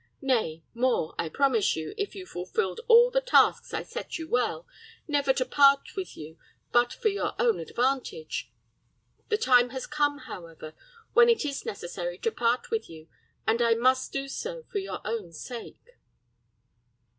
Nay more, I promised you, if you fulfilled all the tasks I set you well, never to part with you but for your own advantage. The time has come, however, when it is necessary to part with you, and I must do so for your own sake."